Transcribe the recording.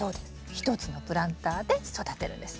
１つのプランターで育てるんです。